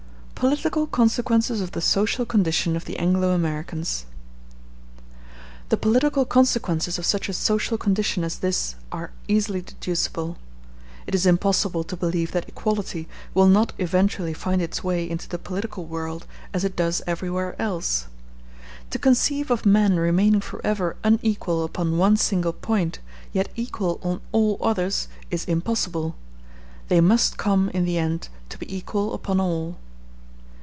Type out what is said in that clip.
Political Consequences Of The Social Condition Of The Anglo Americans The political consequences of such a social condition as this are easily deducible. It is impossible to believe that equality will not eventually find its way into the political world as it does everywhere else. To conceive of men remaining forever unequal upon one single point, yet equal on all others, is impossible; they must come in the end to be equal upon all.